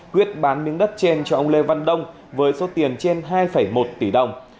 quyết bán miếng đất trên cho ông lê văn đông với số tiền trên hai một tỷ đồng